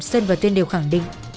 sơn và tuyên đều khẳng định